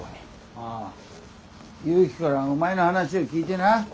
ああ祐樹からお前の話を聞いてな。